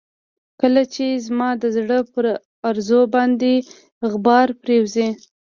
کله چې زما د زړه پر ارزو باندې غبار پرېوځي.